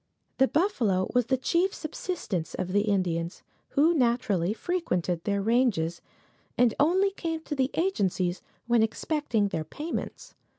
The buffalo was the chief subsistence of the Indians, who naturally frequented their ranges, and only came to the agencies when expecting their payments.